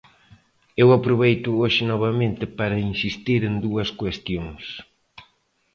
Eu aproveito hoxe novamente para insistir en dúas cuestións.